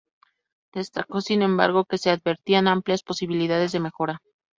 Destacó sin embargo que se advertían amplias posibilidades de mejora.